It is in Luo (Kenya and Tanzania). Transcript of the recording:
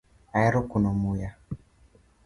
Aero kuno muya.